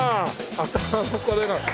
頭のこれが。